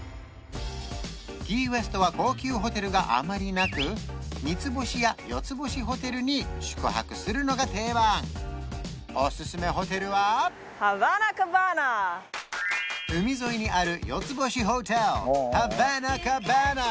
キーウェストは高級ホテルがあまりなく３つ星や４つ星ホテルに宿泊するのが定番おすすめホテルは海沿いにある４つ星ホテル